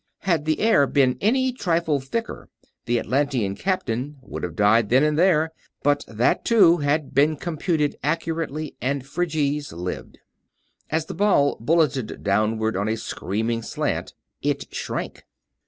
Had the air been any trifle thicker the Atlantean captain would have died then and there; but that, too, had been computed accurately and Phryges lived. And as the ball bulleted downward on a screaming slant, it shrank!